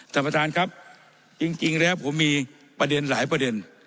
ท่านประธานครับจริงแล้วผมมีประเด็นหลายประเด็น